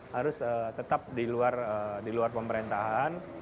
harus tetap di luar pemerintahan